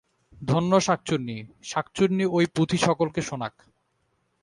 ধন্য শাঁকচুন্নী! শাঁকচুন্নী ঐ পুঁথি সকলকে শোনাক।